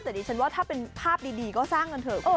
แต่ดิฉันว่าถ้าเป็นภาพดีก็สร้างกันเถอะ